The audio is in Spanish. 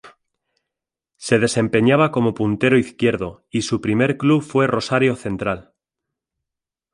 Se desempeñaba como puntero izquierdo y su primer club fue Rosario Central.